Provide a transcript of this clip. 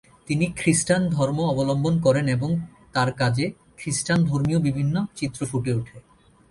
তিনি খ্রিস্টান ধর্ম অবলম্বন করেন এবং তার কাজে খ্রিস্টান ধর্মীয় বিভিন্ন চিত্র ফুটে ওঠে।